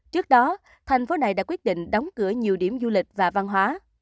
trước đó thành phố này đã quyết định đóng cửa nhiều điểm du lịch và văn hóa